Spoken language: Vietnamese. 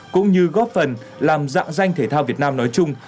cũng như góp phần làm dạng danh thể thao việt nam nói chung